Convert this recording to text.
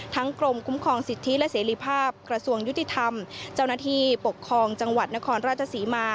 กรมคุ้มครองสิทธิและเสรีภาพกระทรวงยุติธรรมเจ้าหน้าที่ปกครองจังหวัดนครราชศรีมา